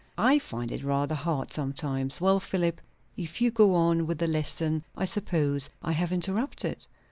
I find it rather hard sometimes. Well, Philip, will you go on with the lesson I suppose I have interrupted?